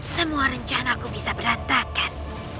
semua rencana aku bisa berantakan